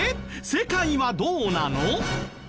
世界はどうなの？